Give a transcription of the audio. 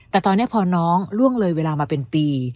แต่ตอนนี้พอน้องล่วงเลยเวลามาเป็นปี